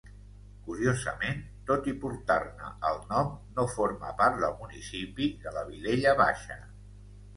Curiosament, tot i portar-ne el nom no forma part del municipi de la Vilella Baixa.